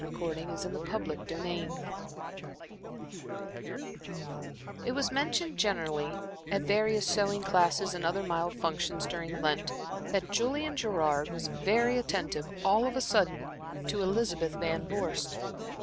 And yet one can but try" Chapter XXII It was mentioned generally, at various sewing classes and other mild functions during Lent, that Julian Gerard was very attentive, all of a sudden, to Elizabeth Van Vorst.